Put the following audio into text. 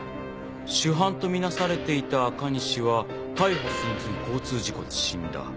主犯とみなされていた赤西は逮捕寸前交通事故で死んだ。